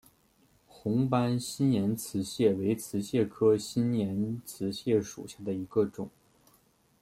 红斑新岩瓷蟹为瓷蟹科新岩瓷蟹属下的一个种。